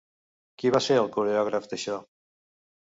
Qui va ser el coreògraf d'això?